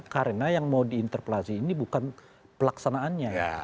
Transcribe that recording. karena yang mau diinterpelasi ini bukan pelaksanaannya